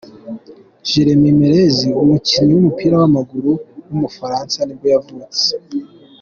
Jérémy Ménez, umukinnyi w’umupira w’amaguru w’umufaransa nibwo yavutse.